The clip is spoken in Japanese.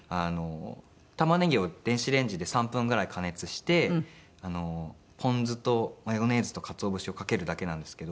玉ねぎを電子レンジで３分ぐらい加熱してポン酢とマヨネーズとカツオ節をかけるだけなんですけど。